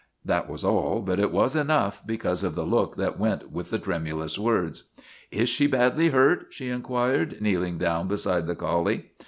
That was all, but it was enough because of the look that went with the trem ulous words. " Is she badly hurt? " she inquired, kneeling down beside the collie.